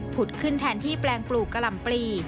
ขึ้นแทนที่แปลงปลูกกะหล่ำปลี